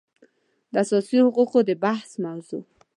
د اساسي حقوقو د بحث موضوع